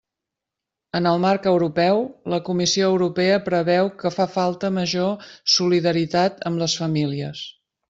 En el marc europeu, la Comissió Europea preveu que fa falta major solidaritat amb les famílies.